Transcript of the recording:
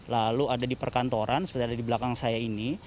lalu ada di perkantoran seperti ada di belakang saya ini